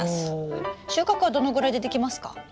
収穫はどのぐらいでできますか？